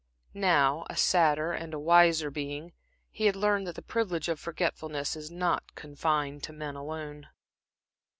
Now, a sadder and a wiser being, he had learned that the privilege of forgetfulness is not confined to men alone.